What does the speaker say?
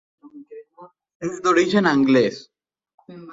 És d'origen anglès.